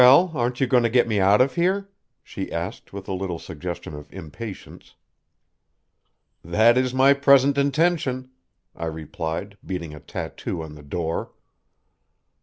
"Well, aren't you going to get me out of here?" she asked with a little suggestion of impatience. "That is my present intention," I replied, beating a tattoo on the door.